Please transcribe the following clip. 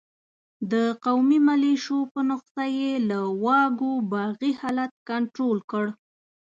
د قومي ملېشو په نسخه یې له واګو باغي حالت کنترول کړ.